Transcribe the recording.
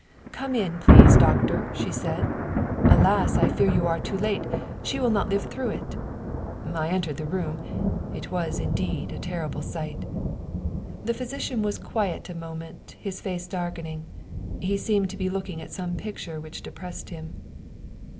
"' Come in, please, doctor/ she said. ' Alas ! I fear you are come too late she will not live through it.' I entered the room. It was, indeed, a terrible sight." The physician was quiet a moment, his face darkening. He seemed to be looking at some picture which depressed him.